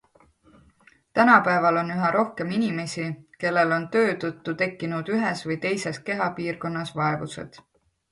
Tänapäeval on üha rohkem inimesi, kellel on töö tõttu tekkinud ühes või teises kehapiirkonnas vaevused.